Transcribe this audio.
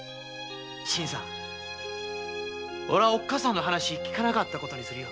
俺はおっかさんの話聞かなかったことにするよ。